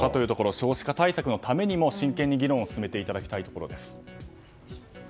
少子化対策のためにも真剣に議論を進めていただきたいです。